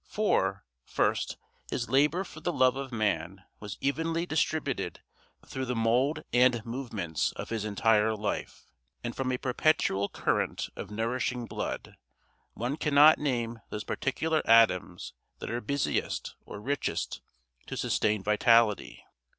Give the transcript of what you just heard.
For, first, his labor for the love of man was evenly distributed through the mould and movements of his entire life; and from a perpetual current of nourishing blood, one cannot name those particular atoms that are busiest or richest to sustain vitality.